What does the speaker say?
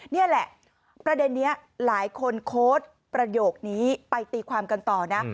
นี่แหละประเด็นนี้หลายคนโค้ดประโยคนี้ไปตีความกันต่อนะ